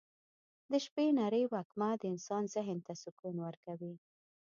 د شپې نرۍ وږمه د انسان ذهن ته سکون ورکوي.